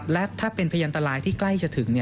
และถ้าเป็นพยานตรายที่ใกล้จะถึง